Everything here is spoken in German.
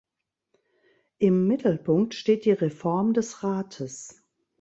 Im Mittelpunkt steht die Reform des Rates.